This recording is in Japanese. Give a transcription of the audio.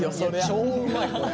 超うまいこれ。